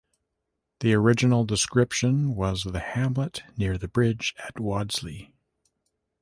The original description was "the hamlet near the bridge at Wadsley".